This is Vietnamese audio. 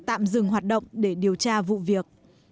tạm dừng hoạt động để điều tra vụ việc